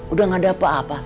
udah gak ada apa apa